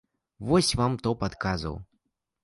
Вось вам топ адказаў.